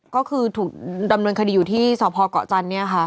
ก็คือถูกดำเนินคดีอยู่ที่สพเกาะจันทร์เนี่ยค่ะ